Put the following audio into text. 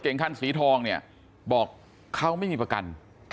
คันสีทองเนี่ยบอกเขาไม่มีประกัน